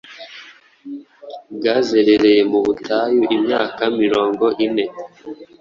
bwazerereye mu butayu imyaka mirongo ine